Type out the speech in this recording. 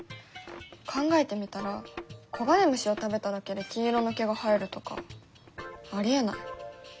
考えてみたら黄金虫を食べただけで金色の毛が生えるとかありえない。